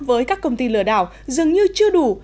với các công ty lừa đảo dường như chưa đủ